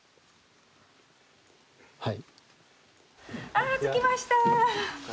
あ着きました。